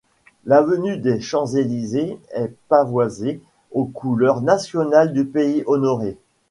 L'avenue des Champs-Élysées est pavoisée aux couleurs nationales du pays honoré.